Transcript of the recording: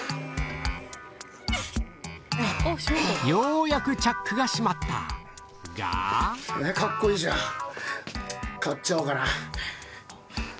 ようやくチャックが閉まったカッコいいじゃん。